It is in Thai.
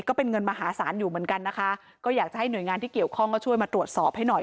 ก็เป็นเงินมหาศาลอยู่เหมือนกันนะคะก็อยากจะให้หน่วยงานที่เกี่ยวข้องก็ช่วยมาตรวจสอบให้หน่อย